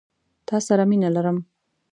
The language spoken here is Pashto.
تا سره مينه لرم